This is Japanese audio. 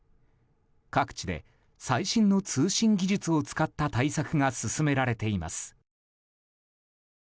各地で最新の通信技術を使った対策が進められています。